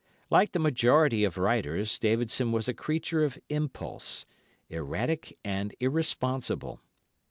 Like the majority of writers, Davidson was a creature of impulse—erratic and irresponsible.